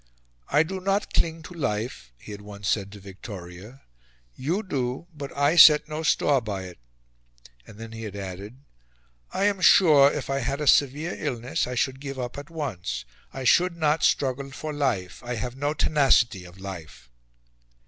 "I do not cling to life," he had once said to Victoria. "You do; but I set no store by it." And then he had added: "I am sure, if I had a severe illness, I should give up at once, I should not struggle for life. I have no tenacity of life."